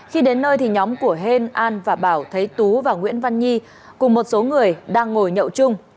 khi đến nơi thì nhóm của hên an và bảo thấy tú và nguyễn văn nhi cùng một số người đang ngồi nhậu chung